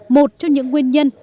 một trong những nguyên nhân